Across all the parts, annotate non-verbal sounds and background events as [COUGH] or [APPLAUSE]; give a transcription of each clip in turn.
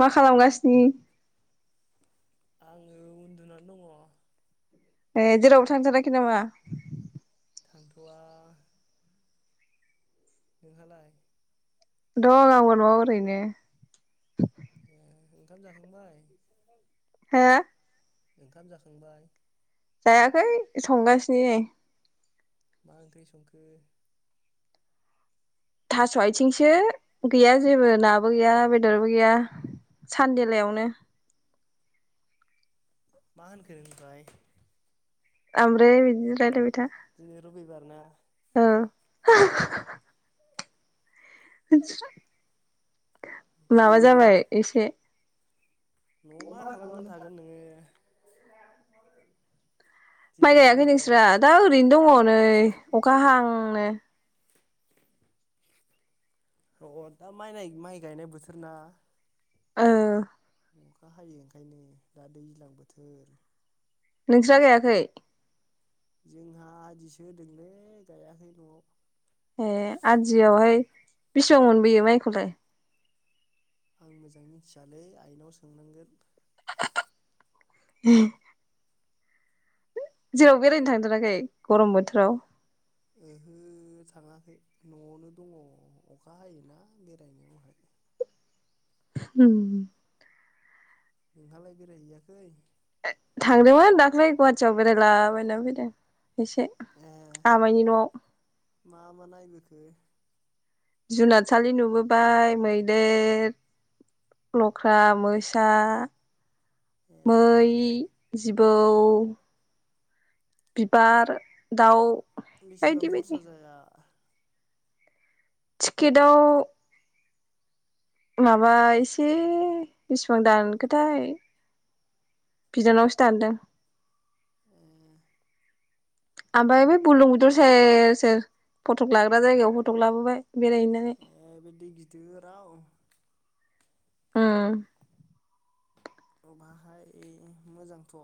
मा खालामगासिनो। आङो उन्दुनानै दङ। ए जेरावबो थांथाराखै नामा? थांथवा नोंहालाय? दं आंबो न'आव एरैनो। ए ओंखाम जाखांबाय। हो ओंखाम जाखांबाय जायाखै संगासिनो नै मा ओंख्रि संखो थास आथिंसो गैया जेबो नाबो गैया बेदरबो गैया सानदे लायावनो। मा होनखो नों ओमफ्राय? आमफ्राये बिदिनो दिनै रबिबार ना रायलाबाय [UNINTELLIGIBLE] [UNINTELLIGIBLE] माबा जेबो जाबाय एसे नआव मा खालामना थागोन नोङो? माइ दिनै गायाखै नोंस्रा रबिबाराव दा ओरैनो दङ नै अखा हां नो अ दा माइ नाय माइ गायनाय बोथोर ना? ओ। अखा हायो ओंखायनो दा दैज्लां बोथोर। नोंस्रा गायाखै? जोंहा आदिसो होदोंलै गायाखै न'आव। ए आदियावहाय बेसेबां मोनबोयो माइखौलाय? आं मोजाङै मिथियालै आइनाव सोंनांगोन। उम। जेराव बेरायनो थांथाराखै गरम बोथोराव? ओहो थाङाखै न'आवनो दङ अखा हायोना बेरायनायावहाय, उम नोंहालाय बेरायहैयाखै? थांदोंमोन दाख्लै गुवाटियाव बेरायलाबायना फैदों। एसे ए आमाइनि न'आव मा मा नायबोखो? जुनारसालि नुबोबाय मैदेर, लख्रा, मोसा, ए मै, जिबौ, बिबार, दाउ, बेसेबां बायदि बायदि खरसा जाया? थिकेडाव माबा एसे बिसिबां दानखोथाय बिनानावसो दानदों। ए ओमफ्राय बे बुरलुंबुथुर सेर सेर फटक लाग्रा जायगायाव फटक लाबोबाय। बेरायहैनानै ए बै दै गिदिराव, ओम अ बाहाय मोजांथ'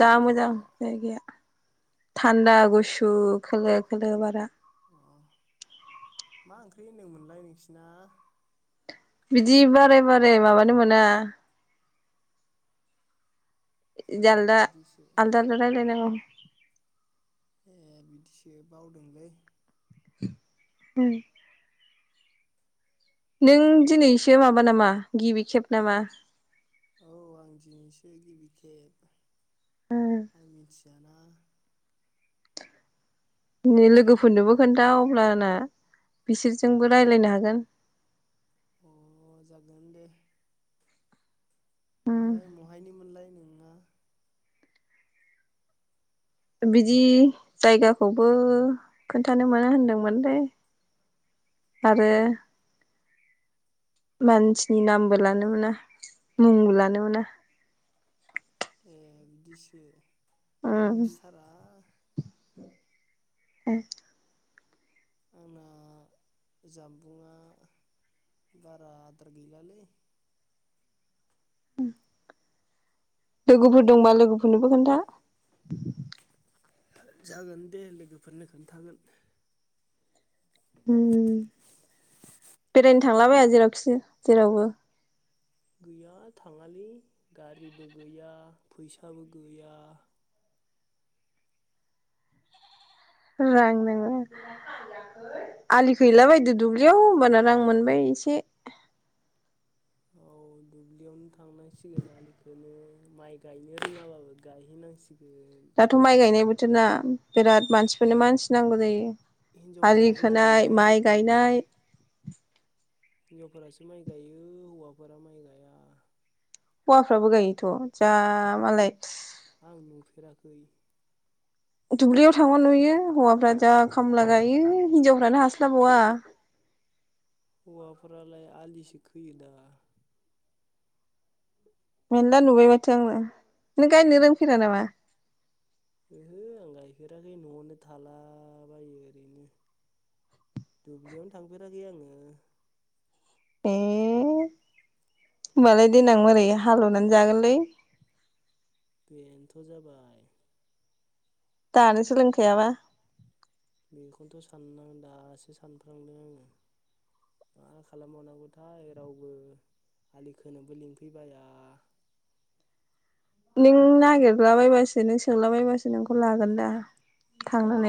जा मोजां जायगाया जायगाया, थान्दा गुसु खोलो खोलो बारा, अ मा ओंख्रि होनदोंमोनलाय नोंसिना? बिदि बारे बारे माबानो मोना, ए जालदा बिदिसो आलदा आलदा रायलाय नांगौ। ए बिदिसो बावदोंलै ओम नों दिनैसो माबा नामा गिबि खेब नामा? औ आं दिनैसो गिबि खेब आं मिथियाना, नै लोगोफोरनोबो खोन्था अब्लाना बिसोरजोंबो रायलायनो हागोन। अ जागोन दे ओमफाय महायनिमोनलाय नों? बिदि जायगाखौबो खोन्थानो मोना होनदोंमोनलै आरो मानसिनि नामबो लानो मोना मुं लानो मोना। ए बिदिसो आं मोनथिथारा, ओ आंना जामबुंआ बारा आदार गैलालै, ओम लोगोफोर दंबा लोगोफोरनोबो खोन्था, जागोन दे लोगोफोरनो खोन्थागोन। ओम बेरायनो थांलाबाया जेरावखि जेरावबो, गैया थाङालै गारिबो गैया फैसाबो गैया, रां नाङो आलि खोहैला बायदो दुब्लियाव होनबाना रां मोनबाय एसे, औ दुब्लियावनो थांनांसिगोन आलि खोनो माइ गायनो रोङाबाबो गायहैनां दाथ' माइ गायनाय बोथोर ना बिराद मानसिफोरनो मानसि नांगौ जायो। आलि हिनजावफोरासो गायो खोनाय दा माइ माइखौ गायनाय [INAUDIBLE] हिनजावफोरासो माइ गायो हौवाफोरा माइ गाया हौवाफ्राबो गायोथ' जा मालाय आं नुफेराखै दुब्लियाव थांबा नुयो हौवाफ्रा जा खामला गायो हिनजावफ्रानो हास्लाबबावा हौवाफ्रालाय आलि सो खोयोदा मेनला नुबाय माथो आंलाय नों गायनो रोंफैरा नामा? ओहो आं गायफेराखै न'आवनो थालाबायो ओरैनो दुब्लियावनो थांफेराखै आङो। ए होमबालाय देनां मारै हालेवनानै जागोनलै। बेनोथ' जाबाय दानो सोलोंखायाबा आंं दासो सानफ्लांदों आङो मा खालामबावनांगौथाय रावबो आलि खोनोबो लिंफैबाया नों नागिरलाबायबासो नों सोंलाबायबासो नोंखौ लागोन दा।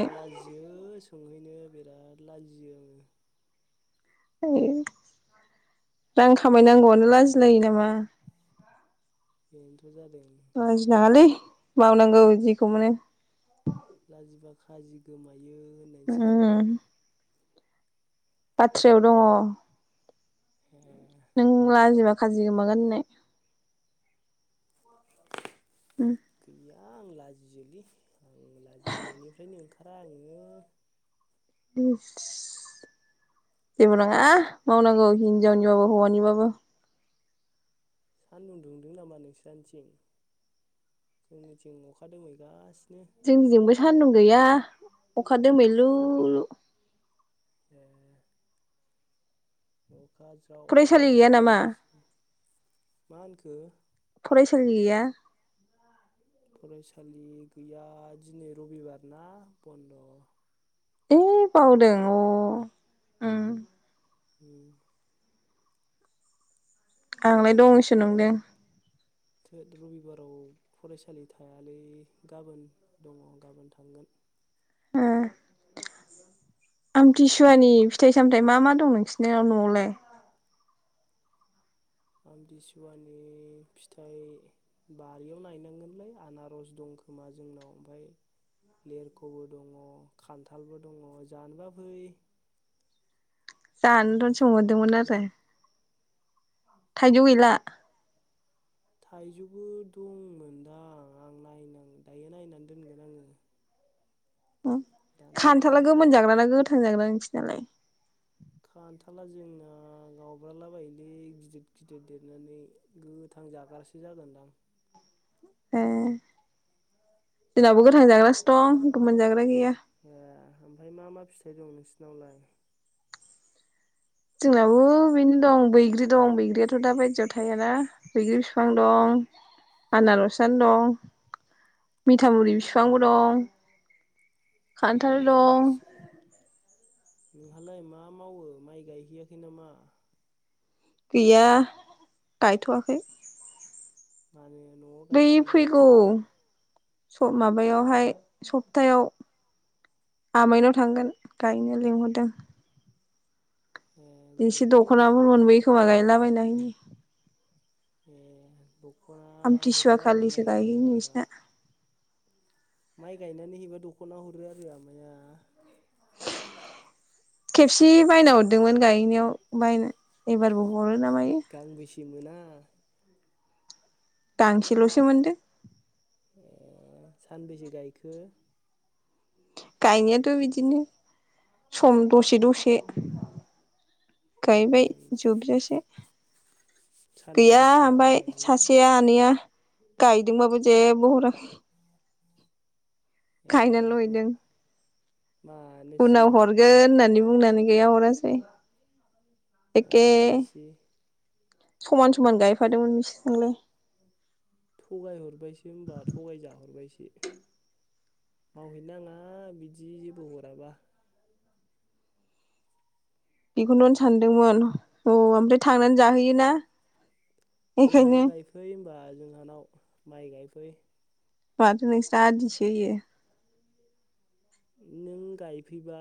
आं लाजियो सोंहै नो बिराद लाजियो आङो। [UNINTELLIGIBLE] रां खामायनांगौआनो लाजिलायो नामा [INAUDIBLE] लाजि नाङालै मावनांगौ जिखौ मोनो लाजिबा खाजि गोमा यो होननायसो जाबाय। उम बाथ्रायाव दङ। [UNINTELLIGIBLE] नों लाजिबा खाजि गोमागोन होननाय। उम दा आं लाजि ओलै आं लाजियो न'निफ्रायनो ओंखारा आङो [UNINTELLIGIBLE] जेबो नङा मावनांगौ हिनजावनिबाबो हौवानिबाबो। सानदुं दुंदों नामा नोंस्रानिथिं? जोंनिथिं अखादोमै गासिनो जोंनिजोंबो सान्दुं गैया अखा दोमैलुलु ए [INAUDIBLE] अखा जाव फरायसालि जाव गैया हाबा नामा हामसिगौ। मा होनखो? फरायसालि गैया फरायसालि गैया दिनै रबिबार ना बन्द' ए बावदों अ ओम ओम आंलाय दंसो नंदों। थो रबिबाराव फरायसालि थायालै गाबोन दङ गाबोन थांगोन। ओ। आमथिसुवानि फिथाइ सामथायाइ मा मा दं नोंसिनियाव नआवलाय? आमथिसुवानि फिथाइ बारियाव नायनांगोनलै आनारस दंखोमा जोंनाव ओमफ्राय लेरखबो दङ, खान्थालबो दङ जानोबा फै। जानोनोथ आमथिसुवाबा सोंहरदोंमोन फै आरो। थाइजौ गैला? थाइजौबो दंमोनदां आं नायना दायो नायनानै दोनगोन आङो। उम दा खान्थाला नायखानोसै गोमोन जाग्रा ना गोथां जाग्रा नोंसोर नालाय। खान्थाला जोंना गावब्राला बायोलै गिदिर गिदिर देरनानै गोथां जाग्रासो जागोनदां। ए जोंनावबो गोथां जाग्रासो दं गोमोन जाग्रा गैया। ए ओमफ्राय मा मा फिथाइ दं नोंसिनावलाय? जोंनाबो बेनो दं बैग्रि दं बैग्रियाथ दा बायदियाव थायाना बैग्रि बिफां दं, आनारसानो दं। अ मिथामुरि बिफांबो दं। अ खान्थाल दं। बिदिसो नोंहालाय मा मावो माइ गायहैयाखै नामा? गैया गायथवाखै। मानो? न'आव बै गाया नामा फैगौ। नोंस्रा सप माबायावहाय सप्थायाव आमाइनाव थांगोन गायनो लिंहरदों। ए एसे गायहै दखनाफोर होमबालाय मोनबोयोखोमा गायलाबायना है उम्म। ए औ। आमथिसुवा खालिसो गायोनो इसोरना। माइ गायनानै हैबा दखना हरो आरो आमाइाया? खेबसे बायना हरदोंमोन गायनायाव बायना एबारबो हरो ना मायो। गांबेसे मोना? गांसेलसो मोनदों। सानबेसे गायखो? गायनायाथ बिदिनो सम दसे दसे। ओ गायबाय जोबजासे। सान्दुं गैया ओमफ्राय गोसायावनो सासेया आनैया। गायदोंबाबो जेबो हराखै। ए गायनानैल मा हैैदों। मानोसै उनाव हरगोन होननानै। बुंनानै गैया हरासै। एखे मानोसै? समान समान गायफादोंमोन बिसोरजोंनो। थगाय हरबायसो होनबा थगायजाहरबायसो मावहैनाङा बिदि जेबो हराबा। बेखौनोथ' सानदोंमोन औ ओमफ्राय थांनानै जाहैयोना जोंहानाव बेखायनो गायफै होमबा जोंहानाव। माइ गायफै। माथो नोंस्रा आदिसो होयो। नों गायफैबा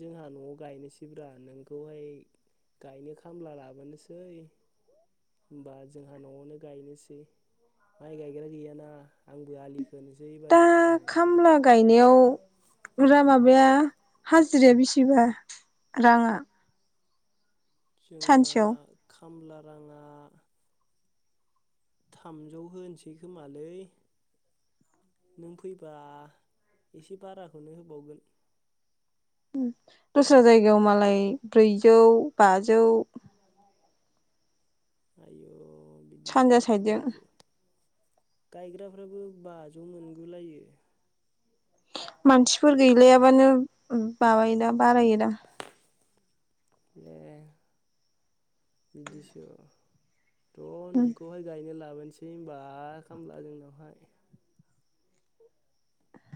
जोंहा नआव गायनोसैब्रा नोंखौहाय गायनो खामला लाबोनोसै होमबा जोंहा नआवनो गायनोसै माइ गायग्रा गैयाना आंबो आलि खोनोसै दा एबारनिफ्राय। खामला गायनायाव [UNINTELLIGIBLE] माबाया हाज हाजिराया बिसेबा राङा? जोंना सानसेयाव? खामला राङा थामजौ होनोसै खोमालै नों फैबा एसे बाराखोनो होबावगोन। ओम दस्रा जायगायाव मालाय ब्रैजौ बाजौ। आयौ। अ बिदिसो सानजा साइदजों ब्रैजौ? गायग्राफ्राबो बाजौ मोनगुलायो? मानसिफोर गैलायाबानो ओम माबायो दा बारायोदा ए बिदिसो? र' नोंखौहाय गायनो ला लाबोनसै होनबा खामला जोंनावहाय।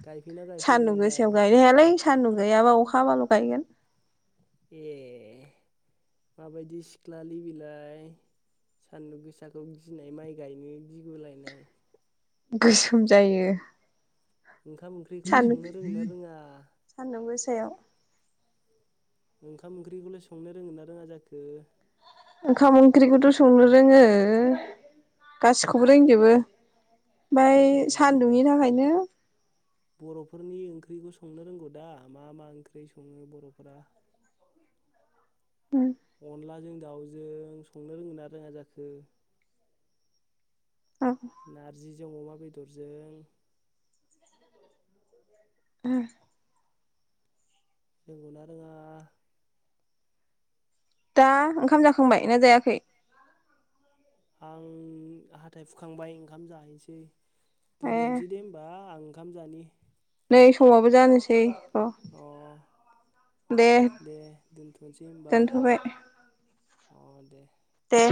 गायफैना गायफैया सान्दुं नोंलाय गोसायाव गायनो हायालै सान्दुं गैयाबा अखा हाबाल' गायगोन। ए माबायदि सिख्लालै बिलाय सान्दुं गोसाखौ गिनाय माइ गायनो गिगुलायनाय। गोसोम जायो। ओंखाम ओंख्रिखौलाय सान्दुं संनो रोङो ना रोङा‌? [UNINTELLIGIBLE] ओंखाम ओंख्रिखौलाय संनो रोङो ना रोङा जाखो? ओंखाम ओंख्रिखौथ' संनो रोङो गासिखौबो रोंजोबो। आमफाइ ए सान्दुंनि थाखायनो बर'फोरनि ओंख्रिखौ संनो रोंगौ दा? मा मा ओंख्रि सङो बर'फोरा? ओम। अनलाजों दाउजों संनो रोङो ना रोङा जाखो? ओ। नारजिजों अमा बेदरजों? ओम। रोंगौना रोङा? दा ओंखाम जाखांबाय ना जायाखै? आं हाथाइ हुखांबाय ओंखाम जाहैनोसै। ए दोनथनोसै दे होनबा आं ओंखाम जानि। नै समाबो जानोसै। र' अ दे दोनथ' नोसै होनबा दोनथ'बाय अ दे। दे